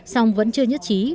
song vẫn chưa nhất trí